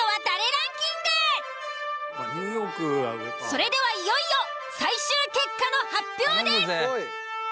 それではいよいよ最終結果の発表です。